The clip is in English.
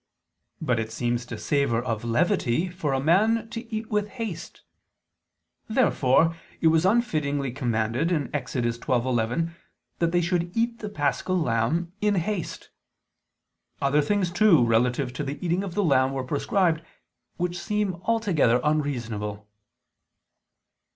But it seems to savor of levity for a man to eat with haste. Therefore it was unfittingly commanded (Ex. 12:11) that they should eat the Paschal lamb "in haste." Other things too relative to the eating of the lamb were prescribed, which seem altogether unreasonable.